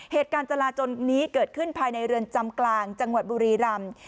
จราจนนี้เกิดขึ้นภายในเรือนจำกลางจังหวัดบุรีรำ